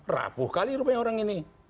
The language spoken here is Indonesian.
rapuh kali rupanya orang ini